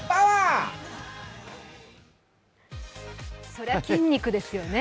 そりゃ筋肉ですよね。